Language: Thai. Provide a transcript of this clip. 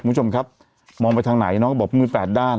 คุณผู้ชมครับมองไปทางไหนน้องก็บอกมือแปดด้าน